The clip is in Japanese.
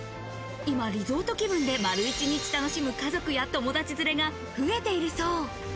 今、リゾート気分で丸一日楽しむ家族や友達連れが増えているそう。